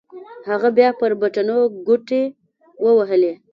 هغه بيا پر بټنو گوټې ووهلې.